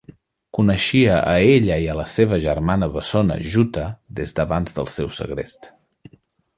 Coneixia a ella i a la seva germana bessona Jutta des d'abans del seu segrest.